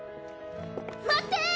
待って！